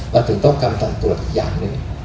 เราถึงต้องทำการตรวจอีกอย่างหนึ่ง